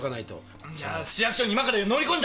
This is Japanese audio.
じゃあ市役所に今から乗り込んじゃう？